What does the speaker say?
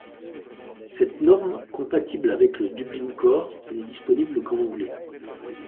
Cette norme compatible avec le Dublin Core n'est disponible qu'en anglais.